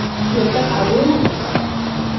লোকটা পাগল নাকি?